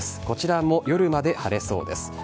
こちらも夜まで晴れそうです。